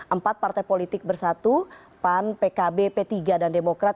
empat partai politik bersatu pan pkb p tiga dan demokrat